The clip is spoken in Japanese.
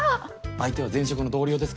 相手は前職の同僚ですか？